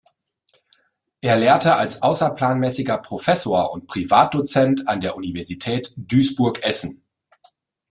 Er lehrte als außerplanmäßiger Professor und Privatdozent an der Universität Duisburg-Essen.